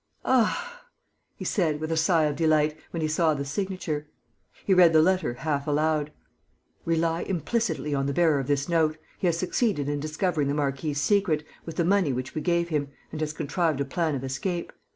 "Ah," he said, with a sigh of delight, when he saw the signature. He read the letter half aloud: "Rely implicitly on the bearer of this note. He has succeeded in discovering the marquis' secret, with the money which we gave him, and has contrived a plan of escape.